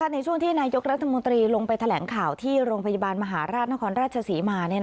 ในช่วงที่นายกรัฐมนตรีลงไปแถลงข่าวที่โรงพยาบาลมหาราชนครราชศรีมา